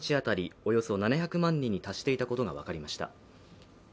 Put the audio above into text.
およそ７００万人に達していたことが分かりました。